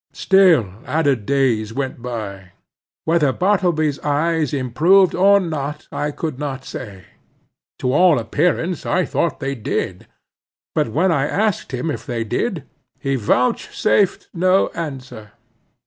Still added days went by. Whether Bartleby's eyes improved or not, I could not say. To all appearance, I thought they did. But when I asked him if they did, he vouchsafed no answer.